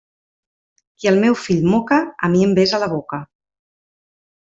Qui el meu fill moca, a mi em besa la boca.